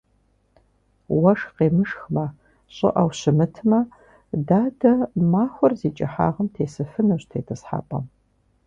Уэшх къемышхмэ, щӀыӀэу щымытмэ, дадэ махуэр зи кӀыхьагъым тесыфынущ тетӏысхьэпӏэм.